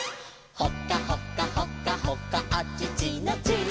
「ほかほかほかほかあちちのチー」